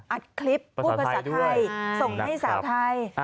อัดคลิปพูดภาษาไทยส่งให้สาวไทย